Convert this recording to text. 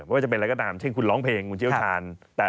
ว่าจะเป็นอะไรก็ตามเช่นคุณร้องเพลงคุณเชี่ยวชาญ